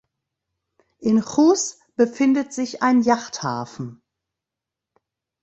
In Goes befindet sich ein Jachthafen.